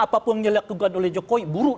apapun yang dilakukan oleh jokowi buruk